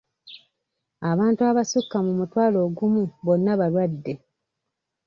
Abantu abasukka mu mutwalo ogumu bonna balwadde.